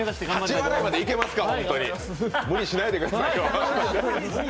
８笑いまでいけますか無理しないでください。